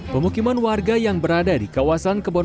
pemukiman warga yang berada di kawasan yang terkena banjir